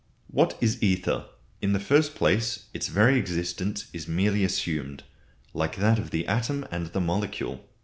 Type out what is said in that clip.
What is Ether? In the first place, its very existence is merely assumed, like that of the atom and the molecule.